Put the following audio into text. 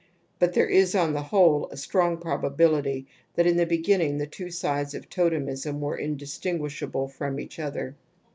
But there is on the whole a strong probability that in the beginning the two sides of totemism were indistinguishable from each other.